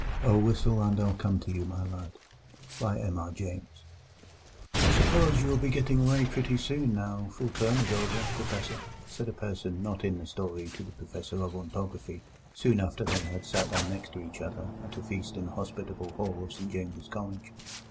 "OH, WHISTLE, AND I'LL COME TO YOU, MY LAD" "I suppose you will be getting away pretty soon, now Full Term is over, Professor," said a person not in the story to the Professor of Ontography, soon after they had sat down next to each other at a feast in the hospitable hall of St James's College.